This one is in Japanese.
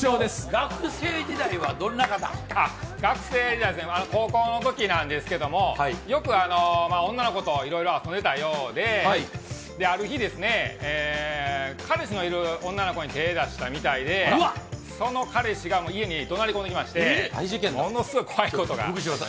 学生時代は高校のときなんですが、よく女の子といろいろ遊んでたようである日、彼氏のいる女の子に手出したみたいで、その彼氏が家に怒鳴り込んできましてものすごい怖いことが。